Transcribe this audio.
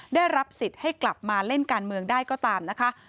ได้รับสิทธิ์ให้กลับมาเล่นการเมืองได้ก็ตามนะคะ